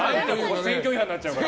選挙違反になっちゃうから。